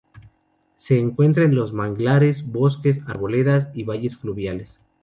Se encuentra en los manglares, bosques, arboledas y valles fluviales.